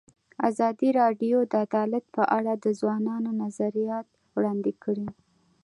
ازادي راډیو د عدالت په اړه د ځوانانو نظریات وړاندې کړي.